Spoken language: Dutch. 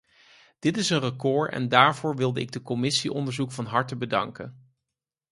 Dit is een record en daarvoor wilde ik de commissie onderzoek van harte bedanken.